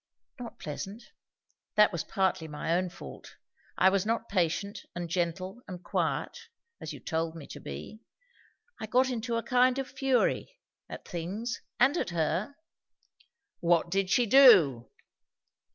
"Not pleasant. That was partly my own fault. I was not patient and gentle and quiet as you told me to be. I got into a kind of a fury, at things and at her." "What did she do?"